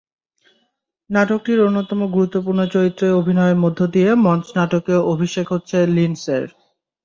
নাটকটির অন্যতম গুরুত্বপূর্ণ চরিত্রে অভিনয়ের মধ্য দিয়ে মঞ্চ নাটকে অভিষেক হচ্ছে লিন্ডসের।